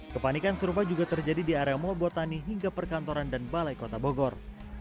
kepanikan serupa juga terjadi di area mall botani hingga perkantoran dan balai kota bogor